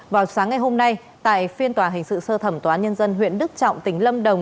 vào sáng ngày hôm nay tại phiên tòa hình sự sơ thẩm tòa nhân dân huyện đức trọng tỉnh lâm đồng